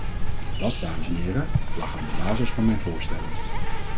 Dat, dames en heren, lag aan de basis van mijn voorstellen.